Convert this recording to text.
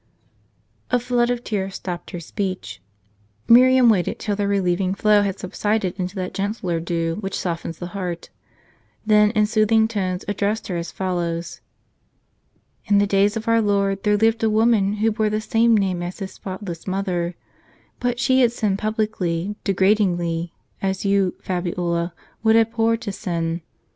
'" A flood of tears stopped her speech. Miriam waited till their relieving flow had subsided into that gentler dew which softens the heart ; then in soothing tones addressed her as follows: " In the days of our Lord there lived a woman who bore the same name as His spotless Mother ; but she had sinned publicly, degradingly, as you, Fabiola, would abhor to sin.